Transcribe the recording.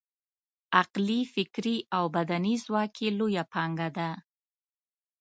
عقلي، فکري او بدني ځواک یې لویه پانګه ده.